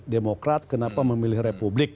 demokrat kenapa memilih republik